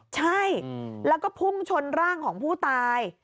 ใช่แล้วก็พุ่งชนร่างของผู้ตาย